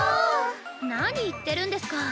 何言ってるんですか。